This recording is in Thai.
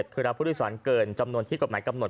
คือรับผู้โดยสารเกินจำนวนที่กฎหมายกำหนด